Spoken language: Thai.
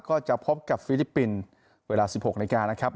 ก็จะพบกับฟิลิปปินส์เวลา๑๖นาฬิกานะครับ